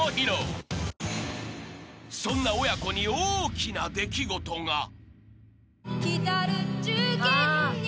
［そんな親子に大きな出来事が］